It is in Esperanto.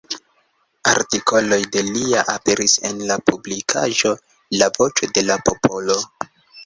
Artikoloj de li aperis en la publikaĵo "La Voĉo de la Popolo".